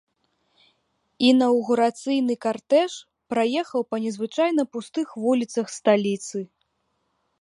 Інаўгурацыйны картэж праехаў па незвычайна пустых вуліцах сталіцы.